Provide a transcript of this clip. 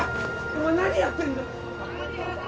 お前何やってんだよ